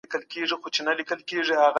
څنګه خلګ د لوږې څخه ژغورل کیږي؟